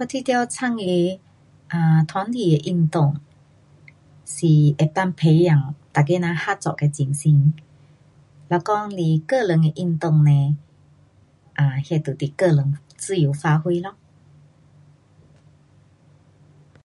我觉得参与 um 团体的运动是能够培养大家人合作的精神。如讲是个人的运动呢 um 那就是个人自由发挥咯。